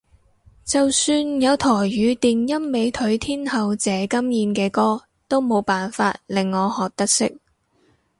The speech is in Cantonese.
就算有台語電音美腿天后謝金燕嘅歌都冇辦法令我學得識